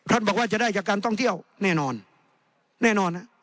บอกว่าจะได้จากการท่องเที่ยวแน่นอนแน่นอน